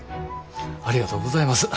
ありがとうございます。